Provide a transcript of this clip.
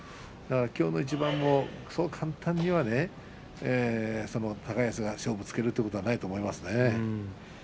きょうの一番も、そう簡単には高安は勝負をつけるということはないと思いますね。